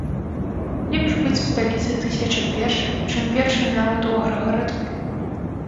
Лепш быць у сталіцы тысяча першым, чым першым нават у аграгарадку.